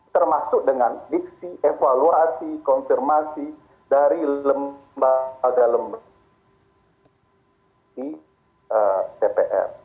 termasuk dengan diksi evaluasi konfirmasi dari lembaga lembaga di dpr